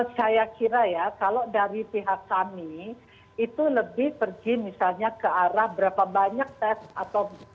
saya kira ya kalau dari pihak kami itu lebih pergi misalnya ke arah berapa banyak tes atau